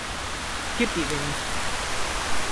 Que piden?